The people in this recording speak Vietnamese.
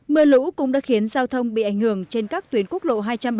mưa lũ cũng đã khiến giao thông bị ảnh hưởng trên các tuyến quốc lộ hai trăm bảy mươi